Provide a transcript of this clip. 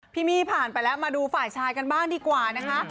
พี่มี่ผ่านไปแล้วมาดูฝ่ายชายกันบ้างดีกว่านะคะ